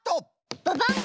ババン！